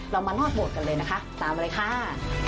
เรามารอดโบสถ์กันเลยนะคะตามไว้ค่ะ